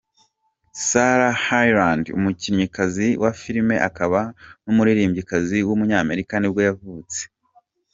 Sarah Hyland, umukinnyikazi wa filime akaba n’umuririmbyikazi w’umunyamerika nibwo yavutse.